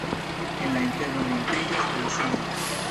En la interno montriĝas la sama.